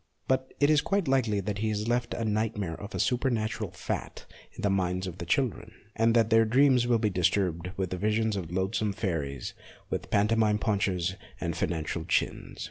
But it is quite likely that he ON FACTS 43 has left a nightmare of supernatural fat in the minds of the children, and that their dreams will be disturbed with visions of loathsome fairies with pantomime paunches and financial chins.